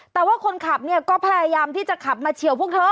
แต่ว่าคนขับเนี่ยก็พยายามที่จะขับมาเฉียวพวกเธอ